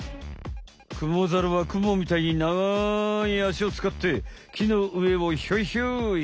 クモザルはクモみたいに長い足をつかって木の上をヒョイヒョイ。